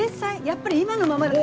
やっぱり今のままだと。